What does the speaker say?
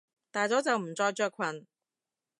大咗就唔再着裙！